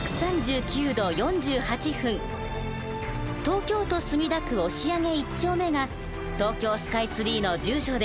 東京都墨田区押上一丁目が東京スカイツリーの住所です。